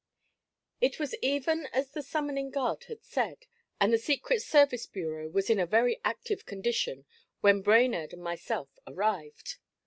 It was even as the summoning guard had said, and the Secret Service Bureau was in a very active condition when Brainerd and myself arrived.